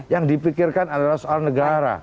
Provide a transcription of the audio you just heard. yang dipikirkan adalah soal negara